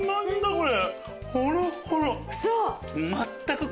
これ！